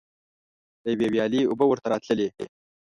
له یوې ویالې اوبه ورته راتللې.